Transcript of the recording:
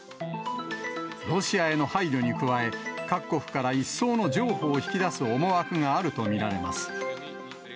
ロシアへの配慮に加え、各国から一層の譲歩を引き出す思惑があると見られます。